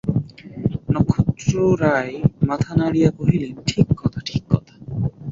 নক্ষত্ররায় মাথা নাড়িয়া কহিলেন, ঠিক কথা, ঠিক কথা।